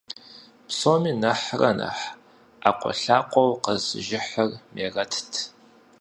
Псом нэхърэ нэхъ ӀэкӀуэлъакӀуэу къэзыжыхьыр Мерэтт.